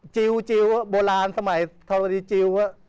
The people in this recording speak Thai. จิลโบราณสมัยธรวดีจิล